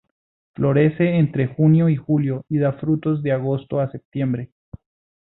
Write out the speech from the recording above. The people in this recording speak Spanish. Florece entre junio y julio, y da frutos de agosto a septiembre.